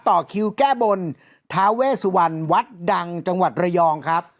ต่อคิวแก้บนทาเวสุวรรณวัดดังจังหวัดระยองครับ